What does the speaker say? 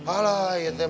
alah ya teh